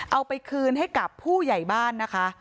เอาไปคืนให้กับผู้ใหญ่บ้านนะคะ